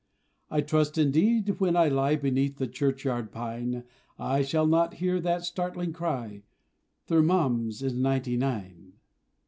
I trust indeed that, when I lie Beneath the churchyard pine, I shall not hear that startling cry "'Thermom' is ninety nine!"